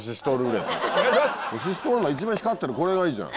シシトウ一番光ってるこれがいいじゃん。